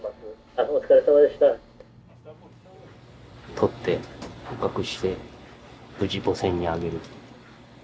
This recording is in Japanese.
獲って捕獲して無事母船にあげる。